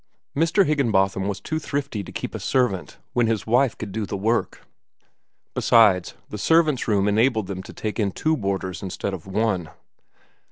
Mr. Higginbotham was too thrifty to keep a servant when his wife could do the work. Besides, the servant's room enabled them to take in two boarders instead of one.